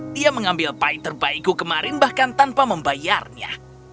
dia mengambil pai terbaikku kemarin bahkan tanpa membayarnya